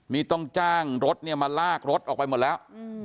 นี่ต้องจ้างรถเนี่ยมาลากรถออกไปหมดแล้ว